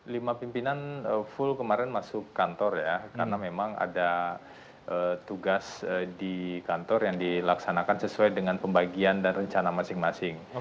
lima pimpinan full kemarin masuk kantor ya karena memang ada tugas di kantor yang dilaksanakan sesuai dengan pembagian dan rencana masing masing